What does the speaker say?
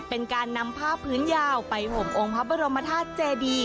เป็นการนำผ้าพื้นยาวไปห่มองค์พระบรมธาตุเจดี